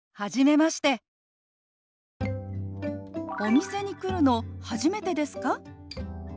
「お店に来るの初めてですか？」。